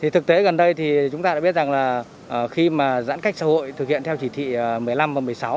thực tế gần đây thì chúng ta đã biết rằng là khi mà giãn cách xã hội thực hiện theo chỉ thị một mươi năm và một mươi sáu